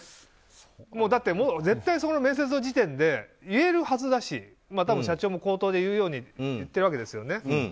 だって絶対そこの面接の時点で言えるはずだし多分、社長も口頭で言うようにしてるわけですよね。